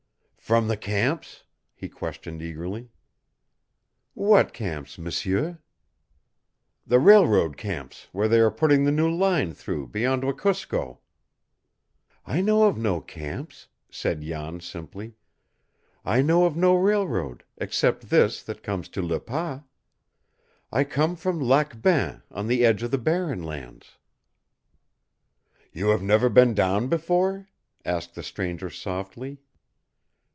"From the camps?" he questioned eagerly. "What camps, m'sieur?" "The railroad camps, where they are putting the new line through, beyond Wekusko." "I know of no camps," said Jan simply. "I know of no railroad, except this that comes to Le Pas. I come from Lac Bain, on the edge of the barren lands." "You have never been down before?" asked the stranger softly.